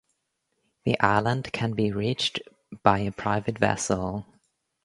The island can be reached by a private vessel.